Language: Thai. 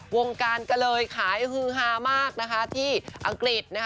วงการก็เลยขายฮือฮามากนะคะที่อังกฤษนะคะ